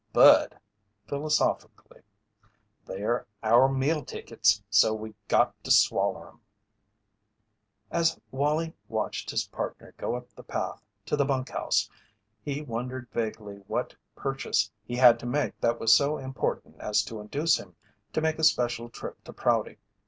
"But," philosophically, "they're our meal tickets, so we got to swaller 'em." As Wallie watched his partner go up the path to the bunk house he wondered vaguely what purchase he had to make that was so important as to induce him to make a special trip to Prouty.